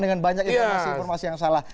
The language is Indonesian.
dengan banyak informasi informasi yang salah